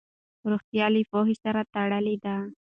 روغتیا له پوهې سره تړلې ده.